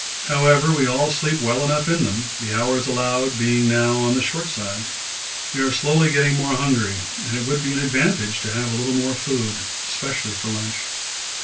However, we all sleep well enough in them, the hours allowed being now on the short side. We are slowly getting more hungry, and it would be an advantage to have a little more food, especially for lunch.